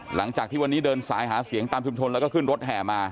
หลังจากที่วันนี้เดินสายหาเสียงตามชุมชนแล้วก็ขึ้นรถแห่มา